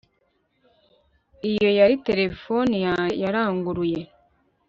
iyo yari terefone yanjye yaranguruye